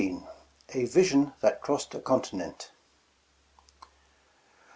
A VISION THAT CROSSED A CONTINENT.